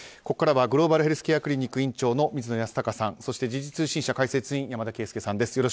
ここからはグローバルヘルスケアクリニック院長の水野泰孝さんそして、時事通信社解説委員山田惠資さんです。